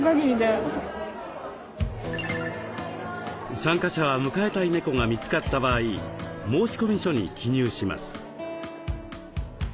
参加者は迎えたい猫が見つかった場合申込書に記入します。